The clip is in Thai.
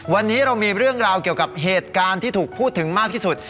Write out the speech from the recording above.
วันนี้เรามีเรื่องราวเกี่ยวกับเหตุการณ์ที่ถูกพูดถึงมากที่สุด